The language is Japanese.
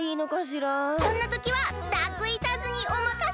そんなときはダークイーターズにおまかせ！